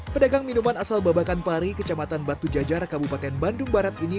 pedagang minuman asal babakan pari kecamatan batu jajar kabupaten bandung barat ini